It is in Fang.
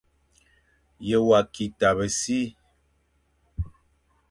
Ye wa ki tabe si ?